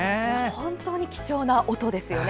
本当に貴重な音ですよね。